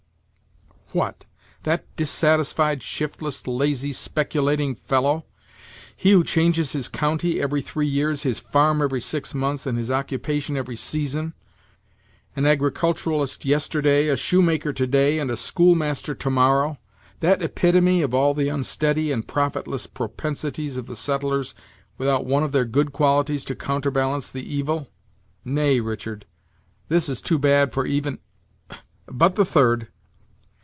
"What, that dissatisfied, shiftless, lazy, speculating fellow! he who changes his county every three years, his farm every six months, and his occupation every season! an agriculturist yesterday, a shoemaker to day, and a school master to morrow! that epitome of all the unsteady and profitless propensities of the settlers without one of their good qualities to counterbalance the evil! Nay, Richard, this is too bad for even but the third."